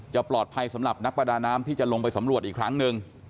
ปลอดภัยสำหรับนักประดาน้ำที่จะลงไปสำรวจอีกครั้งหนึ่ง